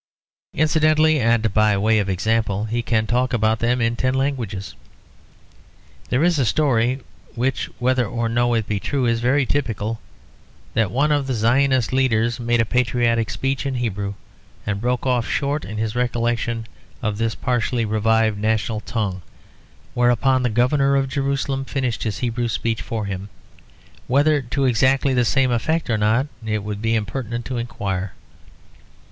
Incidentally, and by way of example, he can talk about them in about ten languages. There is a story, which whether or no it be true is very typical, that one of the Zionist leaders made a patriotic speech in Hebrew, and broke off short in his recollection of this partially revived national tongue; whereupon the Governor of Jerusalem finished his Hebrew speech for him whether to exactly the same effect or not it would be impertinent to inquire.